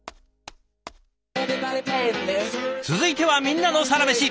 続いては「みんなのサラメシ」。